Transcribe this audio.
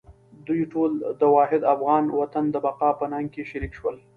دوی ټول د واحد افغان وطن د بقا په ننګ کې شریک شول.